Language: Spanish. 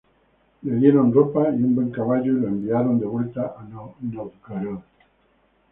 Le dieron ropa y un buen caballo y lo enviaron de vuelta a Novgorod.